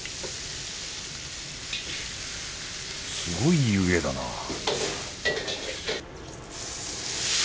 すごい湯気だな